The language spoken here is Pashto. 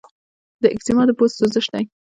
د ایکزیما د پوست سوزش دی.